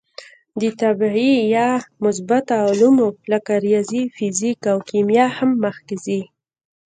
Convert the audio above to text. د طبعي یا مثبته علومو لکه ریاضي، فیزیک او کیمیا هم مخکې ځي.